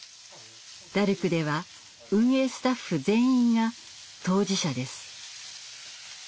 ダルクでは運営スタッフ全員が当事者です。